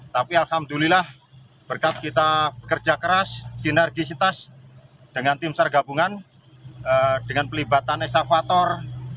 tapi alhamdulillah berkat kita bekerja keras sinergisitas dengan tim sar gabungan dengan pelibatan esavator